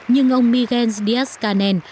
nhưng ông miguel díaz canem